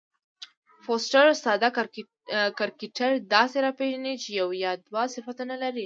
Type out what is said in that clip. فوسټر ساده کرکټر داسي راپېژني، چي یو یا دوه صفتونه لري.